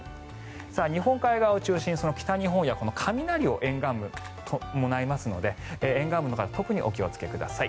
日本海側を中心に北日本で雷を沿岸部で伴いますので沿岸部の方特にお気をつけください。